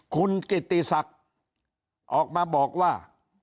คุณกิติศักดิ์ออกมาบอกว่า